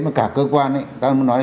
mà cả cơ quan ấy